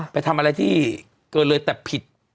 ไปทำอะไรที่เกินเลยแต่ผิด